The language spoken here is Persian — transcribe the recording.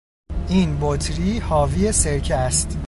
این بطری حاوی سرکه است.